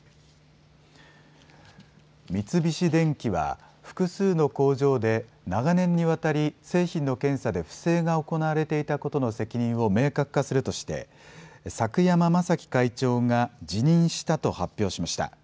三菱電機は複数の工場で長年にわたり製品の検査で不正が行われていたことの責任を明確化するとして柵山正樹会長が辞任したと発表しました。